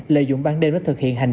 lợi dụng ban đêm nó thực hiện hành